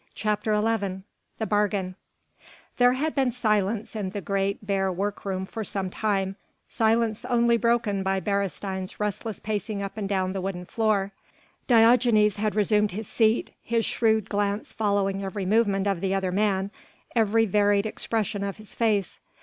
CHAPTER XI THE BARGAIN There had been silence in the great, bare work room for some time, silence only broken by Beresteyn's restless pacing up and down the wooden floor. Diogenes had resumed his seat, his shrewd glance following every movement of the other man, every varied expression of his face.